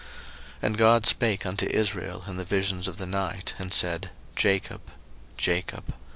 01:046:002 And God spake unto Israel in the visions of the night, and said, Jacob, Jacob.